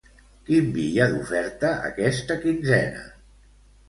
Quin vi hi ha d'oferta aquesta quinzena?